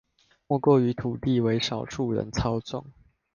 莫過於土地為少數人操縱